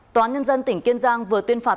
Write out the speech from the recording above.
tòa nhân dân tỉnh kiên giang vừa tuyên phạt